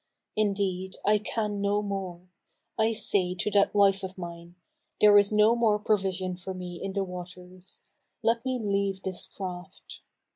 Indeed, I can no more! I say to that wife of mine, 'There is no more provision for me in the waters; let me leave this craft.'